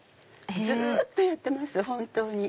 ずっとやってます本当に。